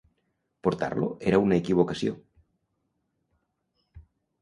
Portar-lo era una equivocació.